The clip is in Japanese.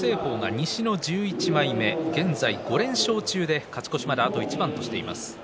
西の１１枚目５連勝中で勝ち越しまであと一番です。